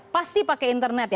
pasti pakai internet ya